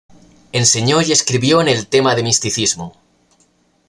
Enseñó y escribió en el tema de misticismo.